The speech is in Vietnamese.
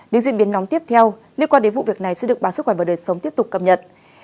những diễn biến nóng tiếp theo liên quan đến vụ việc này sẽ được báo sức khỏe và đời sống tiếp tục cập nhật